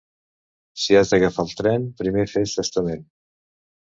Si has d'agafar el tren, primer fes testament.